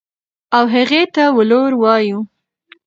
او هغې ته ولور وايو.